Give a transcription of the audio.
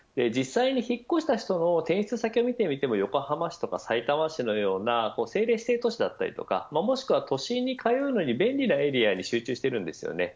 実際に、引っ越した人の転出先を見てみても横浜市とか、さいたま市のような政令指定都市であったりもしくは都心に通うのに便利なエリアに集中しています。